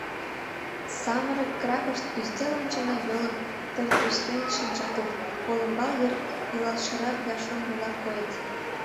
Самырыкракышт ӱстел ончылно йолым тыртештен шинчылтыт, олымбал йыр илалшырак да шоҥго-влак койыт.